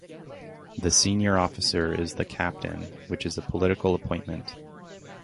The senior officer is the Captain, which is a political appointment.